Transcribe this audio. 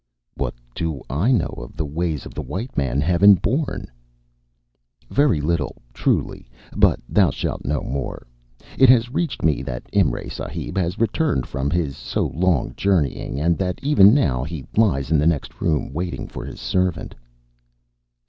"What do I know of the ways of the white man, heaven born?" "Very little, truly. But thou shalt know more. It has reached me that Imray Sahib has returned from his so long journeyings, and that even now he lies in the next room, waiting his servant."